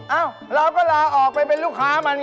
เอ้าเราก็ลาออกไปเป็นลูกค้ามัน